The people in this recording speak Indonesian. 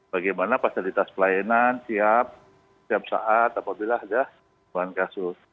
bagaimana fasilitas pelayanan siap setiap saat apabila ada perubahan kasus